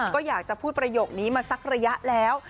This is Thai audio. ก็อยากจะพูดประโยคนี้มาสักระยะแล้ว